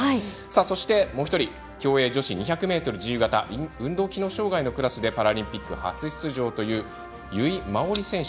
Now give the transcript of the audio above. そして競泳女子２００ｍ自由形運動機能障がいのクラスでパラリンピック初出場という由井真緒里選手。